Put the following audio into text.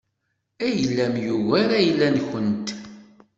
Ayla-w yugar ayla-nkent.